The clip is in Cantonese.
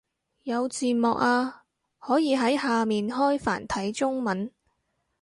有字幕啊，可以喺下面開繁體中文